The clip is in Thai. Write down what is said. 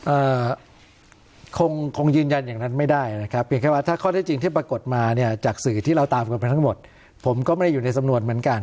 เอ่อคงคงยืนยันอย่างนั้นไม่ได้นะครับเพียงแค่ว่าถ้าข้อได้จริงที่ปรากฏมาเนี่ยจากสื่อที่เราตามกันไปทั้งหมดผมก็ไม่ได้อยู่ในสำนวนเหมือนกัน